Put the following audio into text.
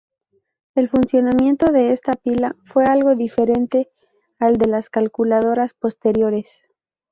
El funcionamiento de esta pila fue algo diferente al de las calculadoras posteriores.